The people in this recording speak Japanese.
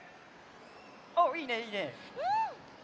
おっいいねいいね！